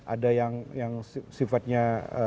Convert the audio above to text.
ada yang sifatnya